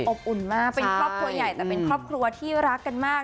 อุ่นมากเป็นครอบครัวใหญ่แต่เป็นครอบครัวที่รักกันมาก